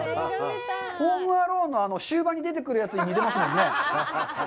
「ホーム・アローン」の終盤に出てくるやつに似てますもんね？